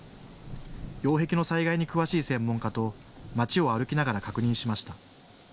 擁壁の災害に詳しい専門家と町を歩きながら確認しました。